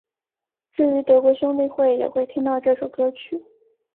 至于德国兄弟会也会听到这首歌曲。